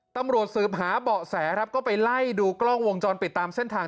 ตำรวจสืบหาเบาะแสครับก็ไปไล่ดูกล้องวงจรปิดตามเส้นทาง